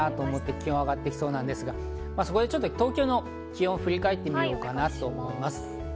気温が上がってきそうですが、東京の気温を振り返ってみようかなと思います。